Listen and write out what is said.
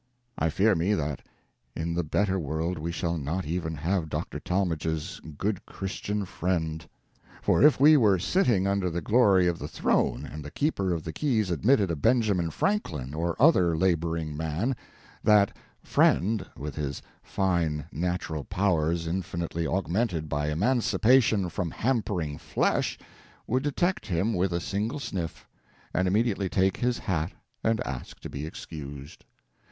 I fear me that in the better world we shall not even have Dr. Talmage's "good Christian friend." For if he were sitting under the glory of the Throne, and the keeper of the keys admitted a Benjamin Franklin or other labouring man, that "friend," with his fine natural powers infinitely augmented by emancipation from hampering flesh, would detect him with a single sniff, and immediately take his hat and ask to be excused.